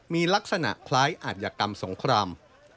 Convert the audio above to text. มีลักษณะคล้ายอาจยกรรมสงคราม